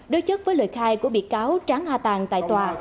đối chất với lời khai của bị cáo tráng a tàn tại tòa